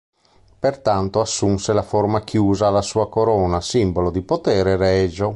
Pertanto assunse la forma chiusa alla sua corona, simbolo di potere regio.